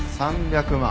３００万。